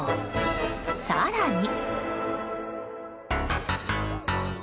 更に。